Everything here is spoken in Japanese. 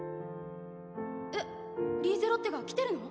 えっリーゼロッテが来てるの？